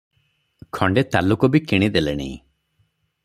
ଖଣ୍ଡେ ତାଲୁକ ବି କିଣି ଦେଲେଣି ।